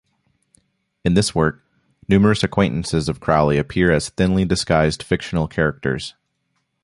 In this work, numerous acquaintances of Crowley appear as thinly disguised fictional characters.